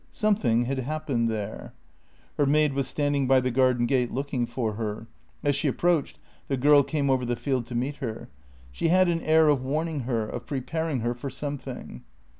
Something had happened there. Her maid was standing by the garden gate looking for her. As she approached, the girl came over the field to meet her. She had an air of warning her, of preparing her for something.